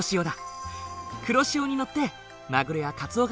黒潮に乗ってマグロやカツオがやって来る。